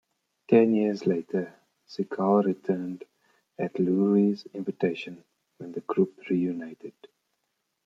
Ten years later, Segel returned at Lowery's invitation when the group reunited.